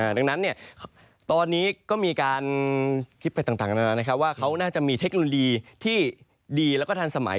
ดังนั้นเนี่ยตอนนี้ก็มีการคิดไปต่างเทคโนโลยีที่ดีแล้วก็ทันสมัย